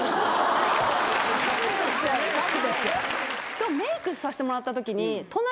今日メークさせてもらったときに。